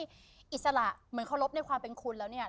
การอิสระเหมือนเขารบในความเป็นคุณแล้ว